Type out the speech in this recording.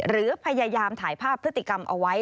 หรือพยายามถ่ายภาพพฤติกรรมเอาไว้